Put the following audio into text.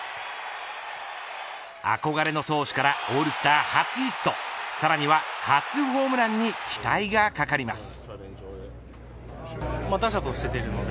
憧れの投手からオールスター初ヒットさらには初ホームランに期待がかかります。